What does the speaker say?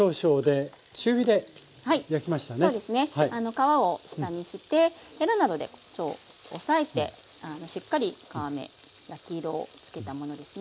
皮を下にしてヘラなどで押さえてしっかり皮目焼き色をつけたものですね。